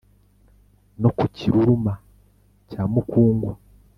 no ku kiruruma cya mukungwa